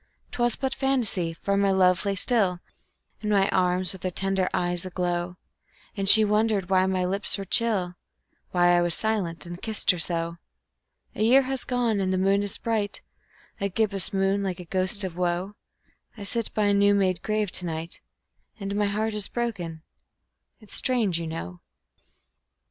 'Twas but fantasy, for my love lay still In my arms, with her tender eyes aglow, And she wondered why my lips were chill, Why I was silent and kissed her so. A year has gone and the moon is bright, A gibbous moon, like a ghost of woe; I sit by a new made grave to night, And my heart is broken it's strange, you know.